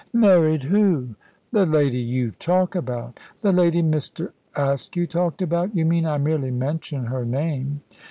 "Married who?" "The lady you talk about." "The lady Mr. Askew talked about, you mean. I merely mention her name."